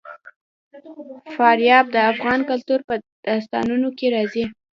فاریاب د افغان کلتور په داستانونو کې راځي.